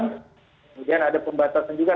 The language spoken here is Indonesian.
kemudian ada pembatasan juga